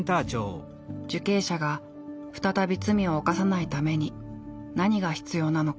受刑者が再び罪を犯さないために何が必要なのか。